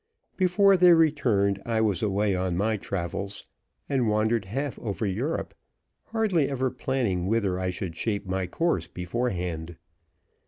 Before they returned I was away on my travels, and wandered half over Europe, hardly ever planning whither I should shape my course beforehand.